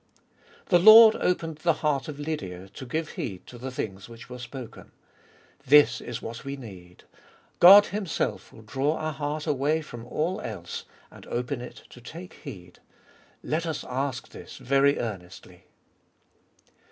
2. The Lord opened the heart of Lydia to glue heed to the things which were spoken. This is what we need. God Himself will draw our heart away from all else, and open It to take heed. Let us ask this very earnestly.